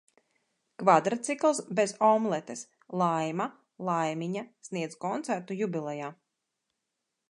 Kvadracikls bez omletes, Laima, laimiņa sniedz koncertu jubilejā.